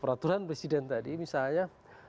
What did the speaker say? peraturan presiden tadi misalnya